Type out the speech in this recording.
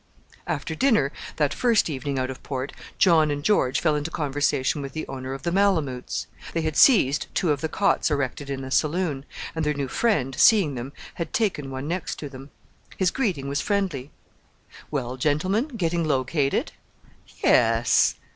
After dinner, that first evening out of port, John and George fell into conversation with the owner of the Malamoots. They had seized two of the cots erected in the saloon; and their new friend, seeing them, had taken one next to them. His greeting was friendly. "Well, gentlemen, getting located?" "Yes."